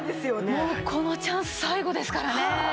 もうこのチャンス最後ですからね。